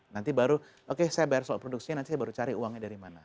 nanti baru oke saya bayar soal produksinya nanti saya baru cari uangnya dari mana